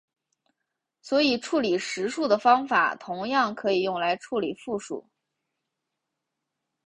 所以处理实数的方法同样可以用来处理复数。